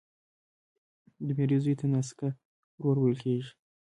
د ميرې زوی ته ناسکه ورور ويل کیږي